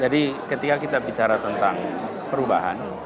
jadi ketika kita bicara tentang perubahan